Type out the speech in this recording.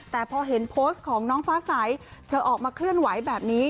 แต่พอเห็นโพสต์ของน้องฟ้าใสเธอออกมาเคลื่อนไหวแบบนี้